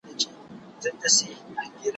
هم فقر کوي، هم ئې خر لغتي وهي.